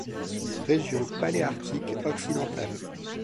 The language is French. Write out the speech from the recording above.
Région paléarctique occidentale.